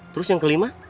terus yang kelima